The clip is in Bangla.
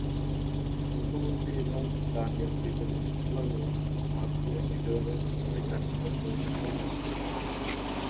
মুখ্যমন্ত্রী এবং তার নিয়োগকৃত মন্ত্রিসভার মাধ্যমে মিজোরামের প্রশাসনিক কার্যক্রম পরিচালিত হয়ে থাকে।